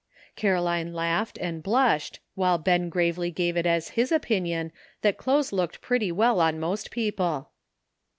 Caroline laughed and blushed, while Ben gravely gave it as his opinion that clothes looked pretty well on most people.